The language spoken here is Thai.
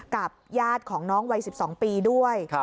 กับญาติของน้องวัย๑๒ปีด้วย